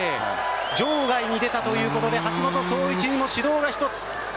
場外に出たということで橋本壮市にも指導が１つ。